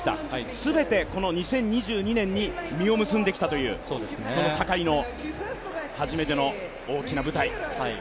全てこの２０２２年に実を結んできたという坂井の初めての大きな舞台。